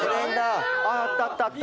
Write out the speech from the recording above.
あったあったあった